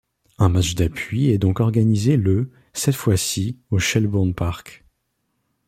Un match d'appui est donc organisé le cette fois-ci au Shelbourne Park.